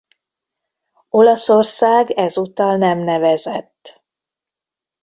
Olaszország ezúttal nem nevezett.